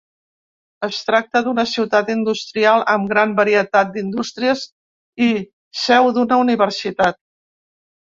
Es tracta d'una ciutat industrial, amb gran varietat d'indústries i seu d'una universitat.